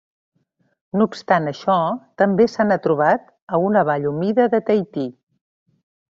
No obstant això, també se n'ha trobat a una vall humida de Tahití.